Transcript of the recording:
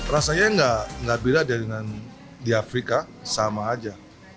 rasanya nggak beda dengan di afrika sama aja